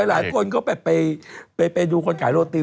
หลายคนก็ไปดูคนขายโรตี